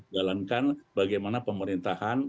dalamkan bagaimana pemerintahan